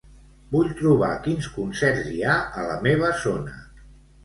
Vull trobar quins concerts hi ha a la meva zona.